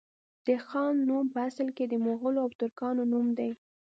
د خان نوم په اصل کي د مغولو او ترکانو نوم دی